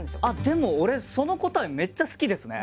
でも俺その答えめっちゃ好きですね。